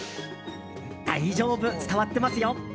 大丈夫、伝わってますよ！